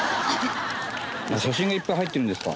写真がいっぱい入ってるんですか？